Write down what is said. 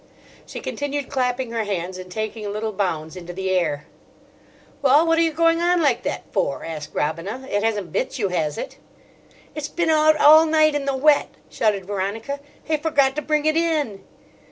She continued clapping her hands and taking little bounds into the air. "Well, what are you going on like that for?" asked Robina. "It hasn't bit you, has it?" "It's been out all night in the wet," shouted Veronica. "He forgot to bring it in."